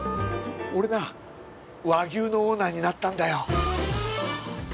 俺な和牛のオーナーになったんだよ。